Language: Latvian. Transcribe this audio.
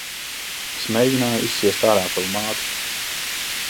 Es mēgināju izsviest ārā tavu māti.